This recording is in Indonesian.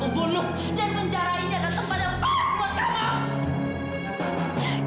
dan penjara ini adalah tempat yang pas buat kamu